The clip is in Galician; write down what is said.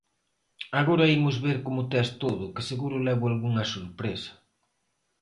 Agora imos ver como tes todo, que seguro levo algunha sorpresa.